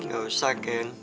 gak usah ken